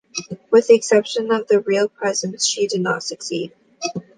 With the exception of the real presence, she did not succeed.